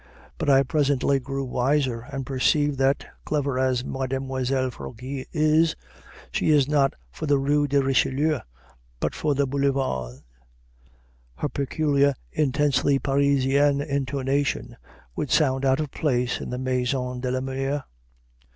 But I presently grew wiser, and perceived that, clever as Mademoiselle Fargueil is, she is not for the Rue de Richelieu, but for the Boulevards; her peculiar, intensely Parisian intonation would sound out of place in the Maison de Molière.